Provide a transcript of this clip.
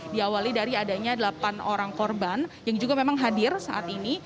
diawali dari adanya delapan orang korban yang juga memang hadir saat ini